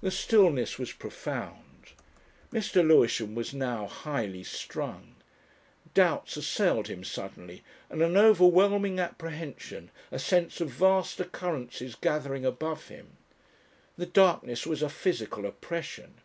The stillness was profound, Mr. Lewisham was now highly strung. Doubts assailed him suddenly, and an overwhelming apprehension, a sense of vast occurrences gathering above him. The darkness was a physical oppression....